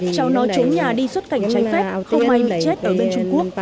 cháu nó trốn nhà đi xuất cảnh trái phép không may bị chết ở bên trung quốc